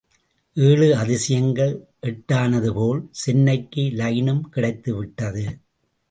ஏழு அதிசயங்கள் எட்டானதுபோல் சென்னைக்கு லைனும் கிடைத்து விட்டது.